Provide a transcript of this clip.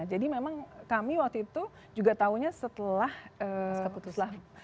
jadi memang kami waktu itu juga tahunya setelah keputusan